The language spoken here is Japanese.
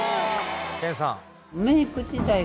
研さん。